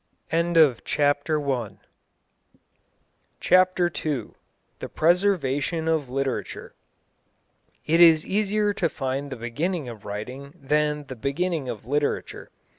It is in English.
CHAPTER II THE PRESERVATION OF LITERATURE It is easier to find the beginning of writing than the beginning of literature.